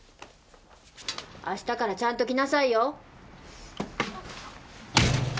明日からちゃんと来なさいよ！